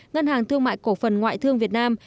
ngân hàng thương mại cổ phần ngoại thương việt nam